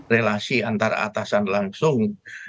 relasi antara atasan langsung